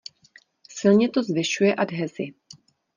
Silně to zvyšuje adhezi.